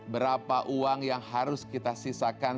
berapa uang yang harus kita sisakan